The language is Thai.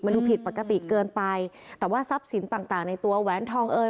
ดูผิดปกติเกินไปแต่ว่าทรัพย์สินต่างต่างในตัวแหวนทองเอ่